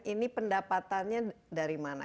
ini pendapatannya dari mana